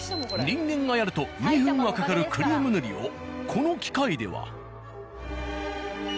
人間がやると２分はかかるクリーム塗りをこの機械では。